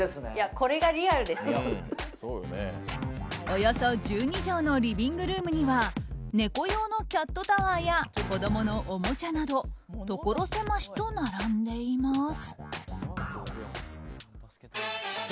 およそ１２畳のリビングルームには猫用のキャットタワーや子供のおもちゃなどところ狭しと並んでいます。